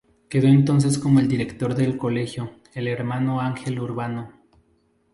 Quedó entonces como director del colegio, el Hermano Ángel Urbano.